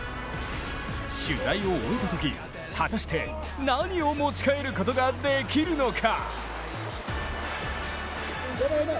取材を終えたとき、果たして何を持ち帰ることができるのか。